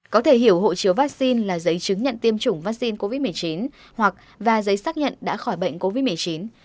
có thể hiểu hộ chiếu vaccine là giấy chứng nhận tiêm chủng vaccine covid một mươi chín hoặc và giấy xác nhận đã khỏi bệnh covid một mươi chín